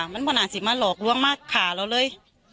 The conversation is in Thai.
มันประหลาดสิทธิ์มาหลอกล้วงมากขาเราเลย